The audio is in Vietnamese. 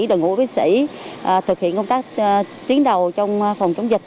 đồng hồ bác sĩ thực hiện công tác chiến đầu trong phòng chống dịch